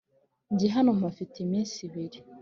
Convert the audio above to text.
njye hano mpafite iminsi ibiri.